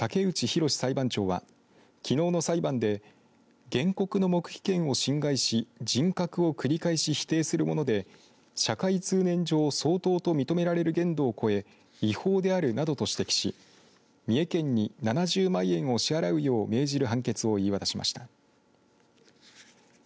津地方裁判所の竹内浩史裁判長はきのうの裁判で原告の黙秘権を侵害し人格を繰り返し否定するもので社会通念上相当と認められる限度を超え違法であるなどと指摘し三重県に７０万円を支払うよう命じる判決を言い渡しました。